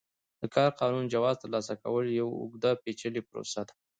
د کار قانوني جواز ترلاسه کول یوه اوږده پېچلې پروسه ده.